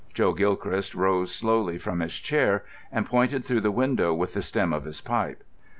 Joe Gilchrist rose slowly from his chair and pointed through the window with the stem of his pipe.